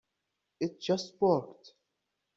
It just worked.